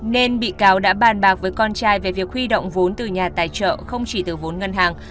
nên bị cáo đã bàn bạc với con trai về việc huy động vốn từ nhà tài trợ không chỉ từ vốn ngân hàng